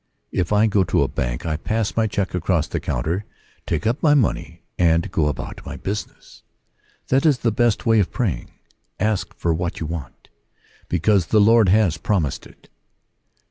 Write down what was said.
If I go to a bank, I pass my check across the counter, take up my money and go about my business : that is the best way of praying. Ask for what you want, because the Lord has promised it.